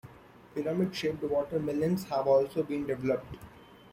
Pyramid shaped watermelons have also been developed.